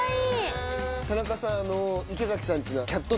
田中さんあの池崎さん家の。